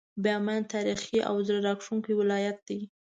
باميان تاريخي او زړه راښکونکی ولايت دی.